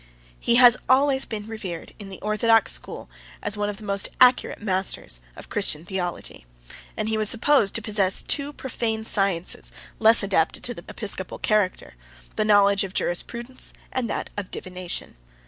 He has always been revered, in the orthodox school, as one of the most accurate masters of the Christian theology; and he was supposed to possess two profane sciences, less adapted to the episcopal character, the knowledge of jurisprudence, 97 and that of divination.